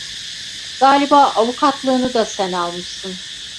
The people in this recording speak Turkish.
Galiba avukatlığını da sen almışsın…